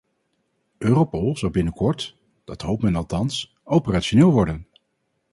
Europol zal binnenkort - dat hoopt men althans - operationeel worden.